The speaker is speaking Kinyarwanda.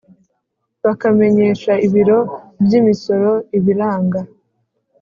bakamenyesha ibiro by'imisoro ibiranga